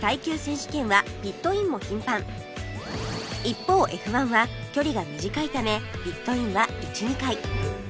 一方 Ｆ１ は距離が短いためピットインは１２回